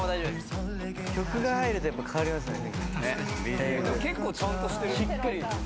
曲が入るとやっぱ変わりますね。